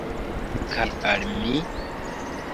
Kaj al mi?